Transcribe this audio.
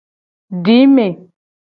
Dime.